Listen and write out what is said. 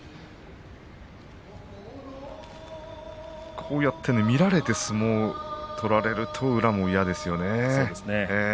こうやって見られて相撲を取られると宇良も嫌ですよね。